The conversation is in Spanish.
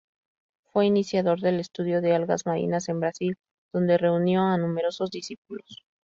Fue iniciador del estudio de algas marinas en Brasil, donde reunió a numerosos discípulos.